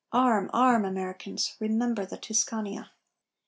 _ Arm, arm, Americans! Remember the Tuscania!